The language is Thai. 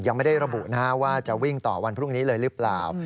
ยังไม่ได้ระบุว่าจะวิ่งต่อวันพรุ่งนี้เลยหรือเปล่า